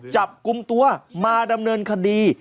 จับกลุ่มตัวมาดำเนินคดี